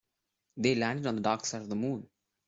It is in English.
They landed on the dark side of the moon.